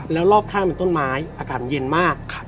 แล้วรอบข้างเป็นต้นไม้อากาศเย็นมาก